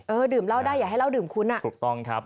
ดื่มเหล้าได้อย่าให้เหล้าดื่มคุณอ่ะถูกต้องครับ